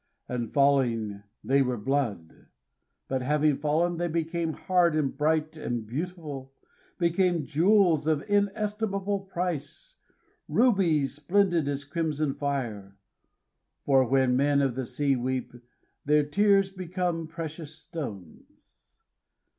And, falling, they were blood; but, having fallen, they became hard and bright and beautiful, became jewels of inestimable price, rubies splendid as crimson fire. For when men of the sea weep, their tears become precious stones.